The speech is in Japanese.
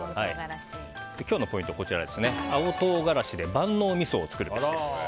今日のポイントは青唐辛子で万能みそを作るべし。